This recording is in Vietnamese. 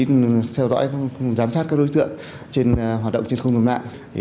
để theo dõi giám phát các đối tượng trên hoạt động trên không gồm mạng